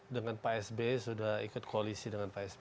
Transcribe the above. dengan pak sb sudah ikut koalisi dengan pks